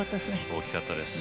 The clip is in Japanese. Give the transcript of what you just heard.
大きかったです。